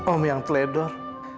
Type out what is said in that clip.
om yang teledor